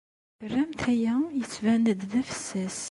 Terramt aya yettban-d d afessas.